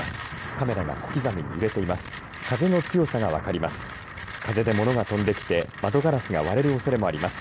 カメラが小刻みに揺れています。